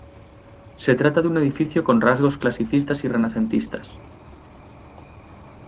Se trata de un edificio con rasgos clasicistas y renacentistas.